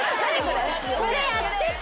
それやってた！